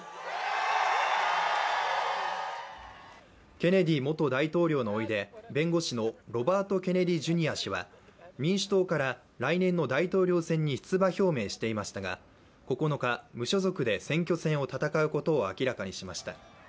ケネディ元大統領のおいで弁護士のロバート・ケネディ・ジュニア氏は民主党から来年の大統領選に出馬表明していましたが９日、無所属で選挙戦を闘うことを明らかにしました。